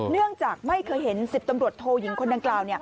เนื่องจากไม่เคยเห็น๑๐ตำรวจโทยิงคนดังกล่าว